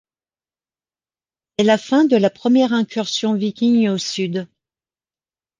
C'est la fin de la première incursion viking au Sud.